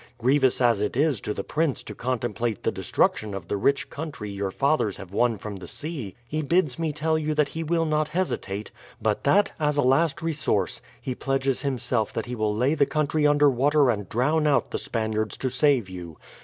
Grievous as it is to the prince to contemplate the destruction of the rich country your fathers have won from the sea, he bids me tell you that he will not hesitate; but that, as a last resource, he pledges himself that he will lay the country under water and drown out the Spaniards to save you.